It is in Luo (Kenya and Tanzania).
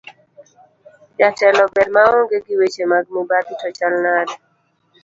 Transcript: Jatelo ber maonge gi weche mag mibadhi to chal nade?